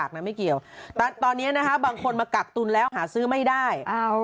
แต่ตอนนี้นะฮะบางคนมากักตุนแล้วหาซื้อไม่ได้